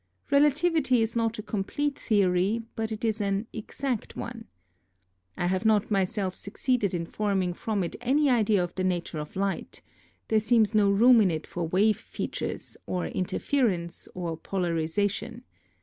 Relativity is not a complete theory but it is an exact one. I have not myself succeeded in forming from it any idea of the nature of light; there seems no room in it for wave features, or interference, or polariza tion.